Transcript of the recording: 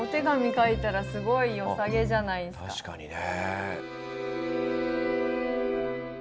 確かにね。